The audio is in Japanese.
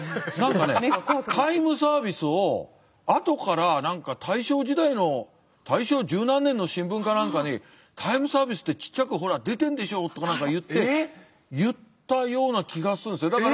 何かねタイムサービスをあとから大正時代の大正十何年の新聞か何かに「タイムサービス」ってちっちゃくほら出てんでしょとか何か言って言ったような気がするんですよ。